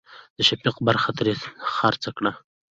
د شفيق برخه ترې خرڅه کړه.